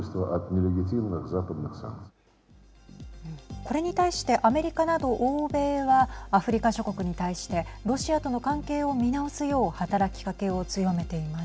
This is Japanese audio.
これに対してアメリカなど欧米はアフリカ諸国に対してロシアとの関係を見直すよう働きかけを強めています。